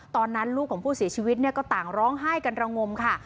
ตอนนั้นลูกของผู้เสียชีวิตก็ต่างร้องไห้กันระงมค่ะ